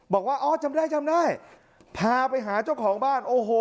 บอกว่าอ๋อจำได้จำได้พาไปหาเจ้าของบ้านโอ้โห